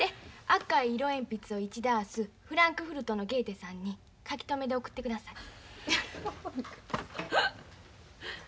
赤い色鉛筆を１ダースフランクフルトのゲーテさんに書留で送ってください。